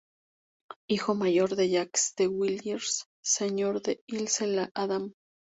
Hijo mayor de Jacques de Villiers, señor de l’Isle-Adam.